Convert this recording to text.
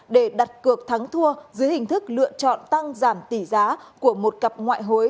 để đặt cược thắng thua dưới hình thức lựa chọn tăng giảm tỷ giá của một cặp ngoại hối